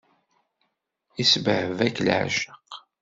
Isbehba-k leεceq.